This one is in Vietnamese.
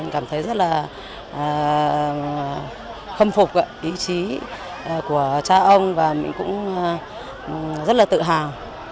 mình cảm thấy rất là khâm phục ý chí của cha ông và mình cũng rất là tự hào